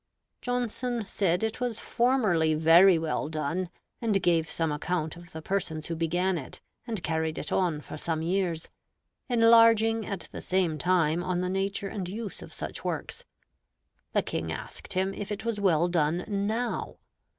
Johnson said it was formerly very well done, and gave some account of the persons who began it, and carried it on for some years; enlarging at the same time on the nature and use of such works. The King asked him if it was well done now.